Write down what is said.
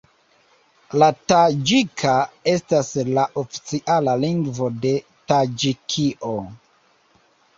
La taĝika estas la oficiala lingvo de Taĝikio.